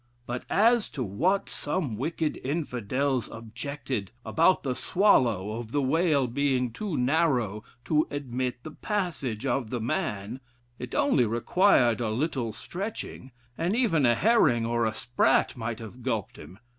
But as to what some wicked Infidels objected, about the swallow of the whale being too narrow to admit the passage of the man, it only required a little stretching, and even a herring or a sprat might have gulped him.